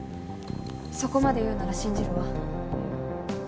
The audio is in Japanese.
そこまで言うなら信じるわ。